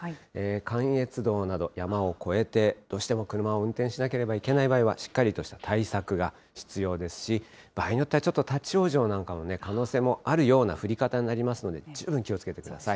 関越道など、山を越えて、どうしても車を運転しなければいけない場合は、しっかりとした対策が必要ですし、場合によってはちょっと立往生なんかの可能性もあるような降り方になりますので、十分気をつけてください。